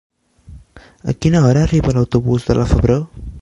A quina hora arriba l'autobús de la Febró?